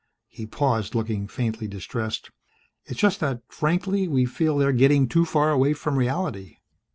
He paused, looking faintly distressed. "It's just that, frankly, we feel they're getting too far away from reality.